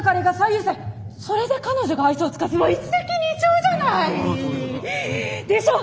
それで彼女が愛想を尽かせば一石二鳥じゃない！でしょう？